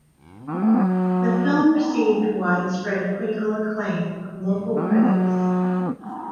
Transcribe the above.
The film received widespread critical acclaim from local critics.